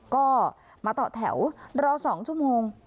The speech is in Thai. ก็มาต่อแถวรอ๒ชั่วโมง